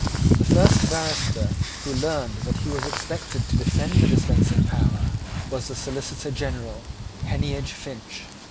The first barrister who learned that he was expected to defend the dispensing power was the Solicitor General, Heneage Finch.